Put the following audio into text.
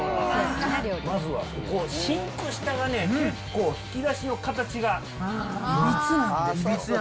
まずはシンク下がね、結構引き出しの形がいびつなんです。